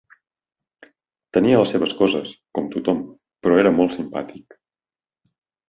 Tenia les seves coses, com tothom, però era molt simpàtic.